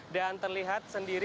dan terlihat sendiri